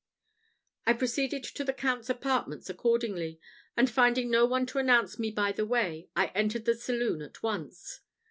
I proceeded to the Count's apartments accordingly, and finding no one to announce me by the way, I entered the saloon at once.